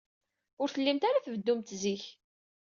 Ur tellimt ara tbeddumt zik.